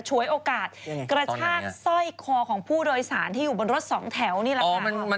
ฉวยโอกาสกระชากสร้อยคอของผู้โดยสารที่อยู่บนรถสองแถวนี่แหละค่ะ